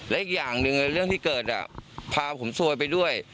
และอีกอย่างหนึ่งเรื่องที่เกิดพาผมซวยไปด้วย